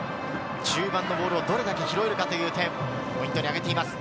中盤のボールをどれだけ拾えるかという点、ポイントに挙げています。